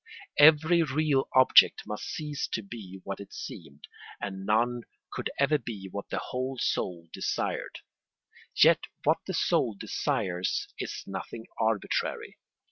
Every real object must cease to be what it seemed, and none could ever be what the whole soul desired. Yet what the soul desires is nothing arbitrary.